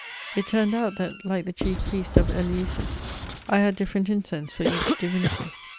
It turned out that, like the chief priest of Eleusis, I had different incense for each divinity.